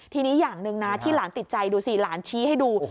ทีนี้อย่างหนึ่งนะที่หลานติดใจดูสิหลานชี้ให้ดู